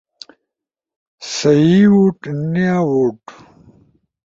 سہی ووٹ، نیا ووٹ